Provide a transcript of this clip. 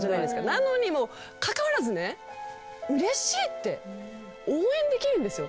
なのにも関わらずねうれしいって応援できるんですよ。